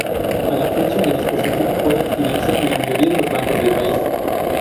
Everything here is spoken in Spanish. A la fecha, el dispositivo puede adquirirse en la mayoría de bancos del país.